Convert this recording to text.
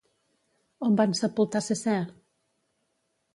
On van sepultar Cessair?